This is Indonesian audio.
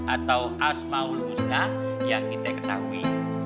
atau asmaul husna yang kita ketahui